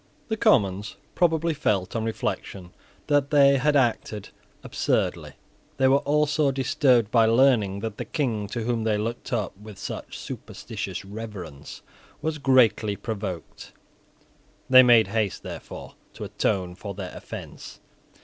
The Commons probably felt on reflection that they had acted absurdly. They were also disturbed by learning that the King, to whom they looked up with superstitious reverence, was greatly provoked. They made haste, therefore, to atone for their offence.